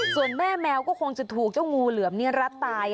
ส่วนแม่แมวก็คงจะถูกเจ้างูเหลือมรัดตาย